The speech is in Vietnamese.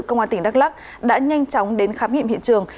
công an tỉnh đắk lắc đã nhanh chóng đến khám nghiệm hiện trường